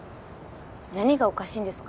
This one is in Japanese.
何がおかしいんですか？